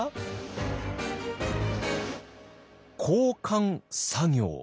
「交換作業」。